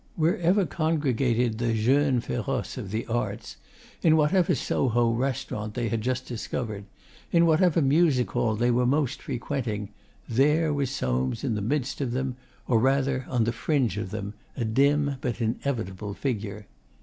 Wherever congregated the jeunes feroces of the arts, in whatever Soho restaurant they had just discovered, in whatever music hall they were most frequenting, there was Soames in the midst of them, or rather on the fringe of them, a dim but inevitable figure.